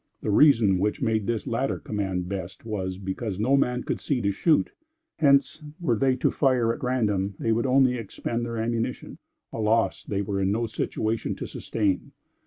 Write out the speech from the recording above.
The reason which made this latter command best was, because no man could see to shoot; hence, were they to fire at random, they would only expend their ammunition, a loss they were in no situation to sustain.